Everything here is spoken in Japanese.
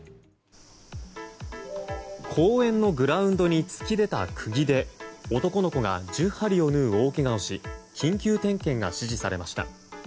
公園のグラウンドに突き出た釘で男の子が１０針を縫う大けがをし緊急点検が指示されました。